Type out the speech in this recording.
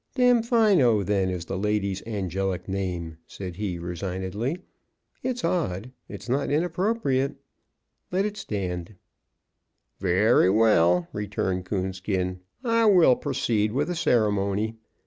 "Damfino, then, is the lady's angelic name," said he resignedly. "It's odd, it's not inappropriate. Let it stand." "Very well," returned Coonskin, "I will proceed with the ceremony."